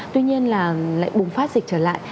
tuy nhiên là lại bùng phát dịch trở lại